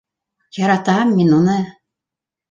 Яратам мин уны.